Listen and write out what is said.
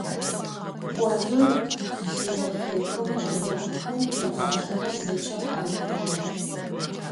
Кӏоныр зызэхехым кӏэлэ цӏыкӏум джэгуалъэхэр зэкӏэ къаритыжьыгъ.